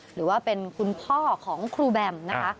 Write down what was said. หรือว่าเป็นคุณพ่อของครูแบมนะคะ